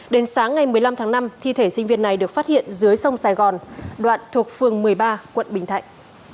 đến sáng ngày một mươi năm tháng năm thi thể sinh viên này được phát hiện dưới sông sài gòn đoạn thuộc phường một mươi ba quận bình thạnh